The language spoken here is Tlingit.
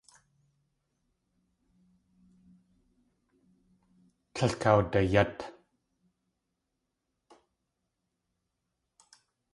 Tlél kawdayát.